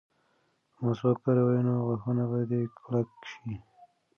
که مسواک وکاروې نو غاښونه به دې کلک شي.